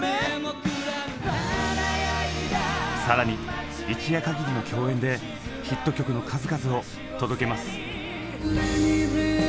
更に一夜かぎりの共演でヒット曲の数々を届けます。